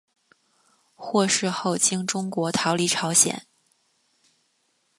获释后经中国逃离朝鲜。